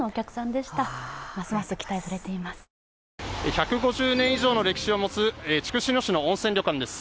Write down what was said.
１５０年以上の歴史を持つ筑紫野市の温泉旅館です。